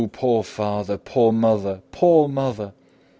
poor father! poor mother! poor mother!"